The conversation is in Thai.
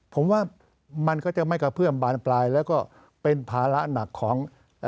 ผมว่ามันก็จะไม่กระเพื่อมบานปลายแล้วก็เป็นภาระหนักของ